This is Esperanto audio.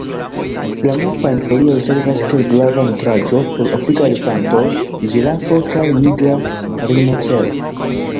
La mopan-folioj servas kiel grava nutraĵo por afrika elefanto, ĝirafo kaj nigra rinocero.